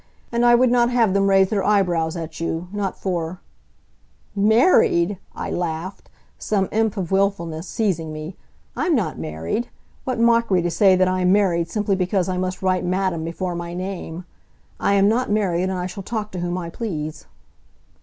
And I would not have them raise their eyebrows at you, not for " "Married!" I laughed, some imp of willfulness seizing me, "I'm not married. What mockery to say that I am married simply because I must write madam before my name! I am not married, and I shall talk to whom I please."